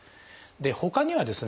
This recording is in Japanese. ほかにはですね